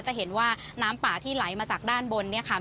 จะเห็นว่าน้ำป่าที่ไหลมาจากด้านบนเนี่ยค่ะ